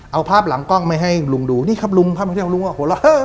เอาภาพหลังกล้องมาให้ลุงดูนี่ครับลุงภาพท่องเที่ยวลุงก็หัวเราะเฮ้ย